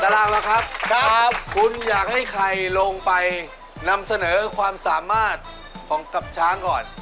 ร่างล่ะครับคุณอยากให้ใครลงไปนำเสนอความสามารถของกับช้างก่อน